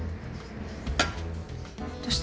どうした？